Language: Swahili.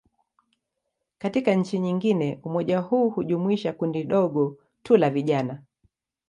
Katika nchi nyingine, umoja huu hujumuisha kundi dogo tu la vijana.